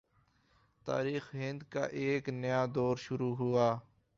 تاریخ ہند کا ایک نیا دور شروع ہوا